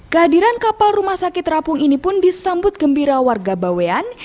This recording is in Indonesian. kehadiran kapal rumah sakit terapung ini pun disambut gembira warga bawean